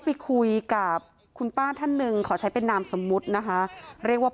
ไปคุยกับคุณป้าท่านหนึ่งขอใช้เป็นนามสมมุตินะคะเรียกว่า